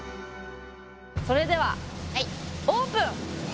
それではオープン！